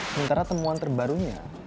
sementara temuan terbarunya